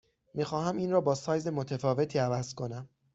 می خواهم این را با سایز متفاوتی عوض کنم.